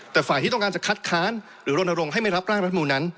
แต่ฝ่ายที่ต้องการจะคัดค้านหรือรณรงค์ให้ไม่รับร่างรัฐมนูลนั้น